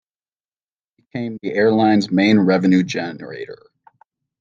The type became the airline's main revenue generator.